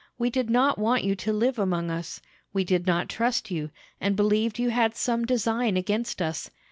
We did not want you to live among us; we did not trust you, and believed you had some design against us.